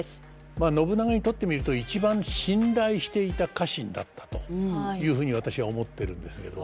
まあ信長にとってみると一番信頼していた家臣だったというふうに私は思ってるんですけど。